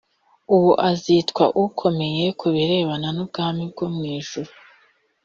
uwo azitwa ukomeye ku birebana n ubwami bwo mu ijuru